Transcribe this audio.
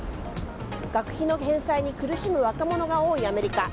学費の返済に苦しむ若者が多いアメリカ。